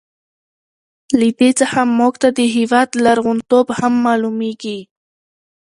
له دې څخه موږ ته د هېواد لرغون توب هم معلوميږي.